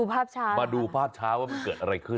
ภาพช้ามาดูภาพช้าว่ามันเกิดอะไรขึ้น